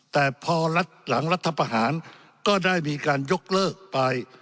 แต่พอหลังรัฐประหารก็ได้มีการยกเลิกไป